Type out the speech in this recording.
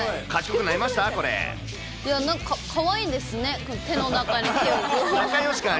なんかかわいいですね、袋の中に手を。